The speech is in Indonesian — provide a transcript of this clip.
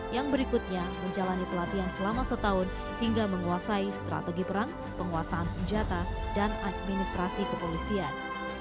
yang berikutnya menjalani pelatihan selama setahun hingga menguasai strategi perang penguasaan senjata dan administrasi kepolisian